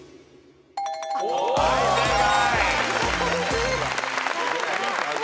はい正解。